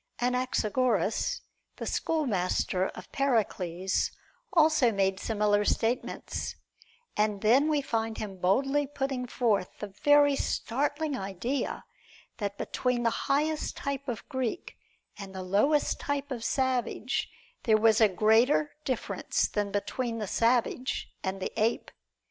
Anaxagoras, the schoolmaster of Pericles, also made similar statements, and then we find him boldly putting forth the very startling idea that between the highest type of Greek and the lowest type of savage there was a greater difference than between the savage and the ape.